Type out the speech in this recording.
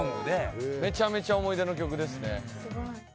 めちゃめちゃ思い出の曲ですね。